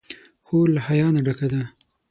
خور له حیا نه ډکه ده.